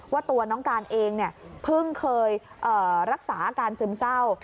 ว่าตัวน้องการเองเพิ่งเคยรักษาอาการซึมเศร้า